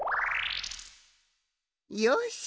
よし！